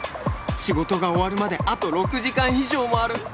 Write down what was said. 仕事が終わるまであと６時間以上もある